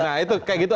nah itu kayak gitu